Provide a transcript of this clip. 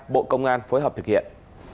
bộ công an phối hợp thực hiện